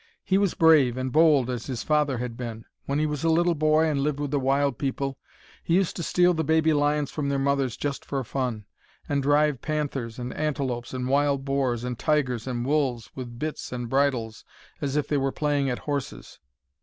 He was brave and bold as his father had been. When he was a little boy and lived with the wild people, he used to steal the baby lions from their mothers just for fun, and drive panthers, and antelopes, and wild boars, and tigers and wolves with bits and bridles, as if they were playing at horses.